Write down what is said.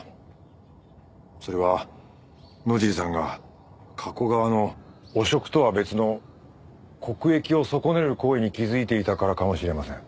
それは野尻さんが加古川の汚職とは別の国益を損ねる行為に気づいていたからかもしれません。